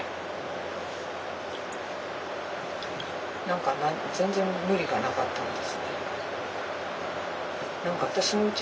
何か全然無理がなかったんですね。